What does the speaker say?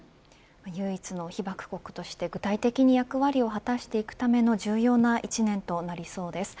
唯一の被爆国として具体的に役割を果たしていくための重要な一年となりそうです。